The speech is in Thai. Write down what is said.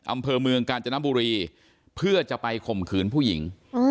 อำเภอเมืองกาญจนบุรีเพื่อจะไปข่มขืนผู้หญิง